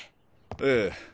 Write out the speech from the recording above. ええ。